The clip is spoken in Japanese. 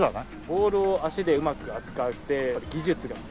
ボールを足でうまく扱うって技術が必要で。